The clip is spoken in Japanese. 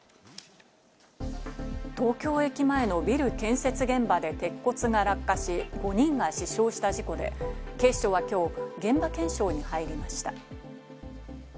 東京駅前のビル建設現場で鉄骨が落下し、５人が死傷した事故で、警視庁はきょう、現場検証に入りました。